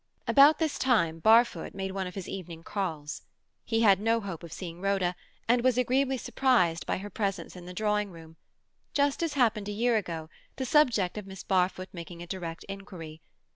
About this time Barfoot made one of his evening calls. He had no hope of seeing Rhoda, and was agreeably surprised by her presence in the drawing room. Just as happened a year ago, the subject of Miss Barfoot making a direct inquiry.